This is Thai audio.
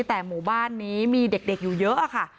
แต่หมู่บ้านนี้มีเด็กอยู่เยอะค่ะ